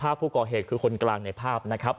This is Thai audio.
และยืนยันเหมือนกันว่าจะดำเนินคดีอย่างถึงที่สุดนะครับ